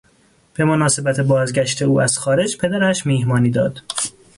به مناسبت بازگشت او از خارج پدرش میهمانی داد.